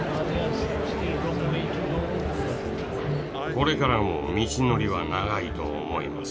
これからも道のりは長いと思います。